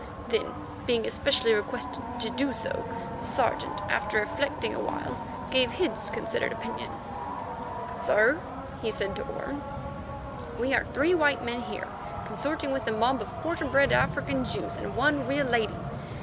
Then, being especially requested to do so, the Sergeant, after reflecting awhile, gave his considered opinion. "Sir," he said to Orme, "we are three white men here consorting with a mob of quarter bred African Jews and one real lady.